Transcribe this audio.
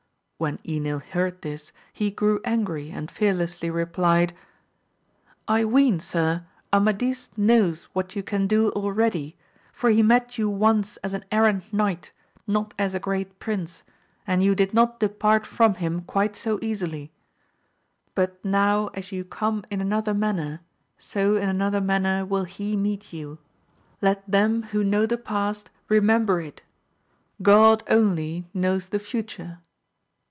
When Enil heard this, he grew angry and fearlessly replied, I ween, sir, Amadis knows what you can do abe*dy, for he met you once as an errant knight, not as a great prince, and you did not depart from him quite so easily ! But, now as you come in another manner, so in another manner will he meet you : let them who know the past remember it 1 Gk)d only knows the future.